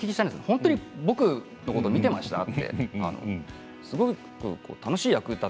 本当に僕のこと見ていましたか？